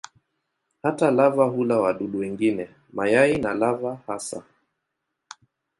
Hata lava hula wadudu wengine, mayai na lava hasa.